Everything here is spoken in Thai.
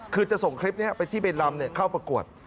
คือจะส่งคลิปนี้ไปที่เบนลำเข้าประกวด